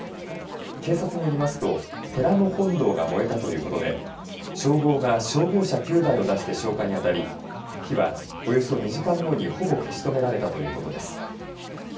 警察によりますと寺の本堂が燃えたということで消防が消防車９台を出して消火にあたり、火はおよそ２時間後にほぼ消し止められたということです。